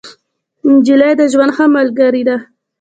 نجلۍ د ژوند ښه ملګرې ده.